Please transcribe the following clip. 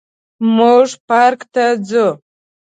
موږ پارک ته ځو